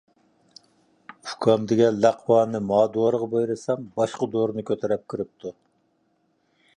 ئۇكام دېگەن لەقۋانى ماۋۇ دورىغا بۇيرۇسام، باشقا دورىنى كۆتۈرۈپ كىرىپتۇ.